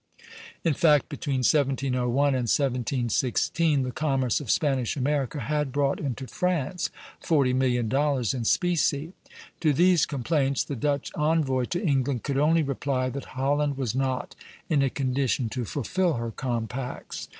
In fact, between 1701 and 1716 the commerce of Spanish America had brought into France forty million dollars in specie. To these complaints the Dutch envoy to England could only reply that Holland was not in a condition to fulfil her compacts.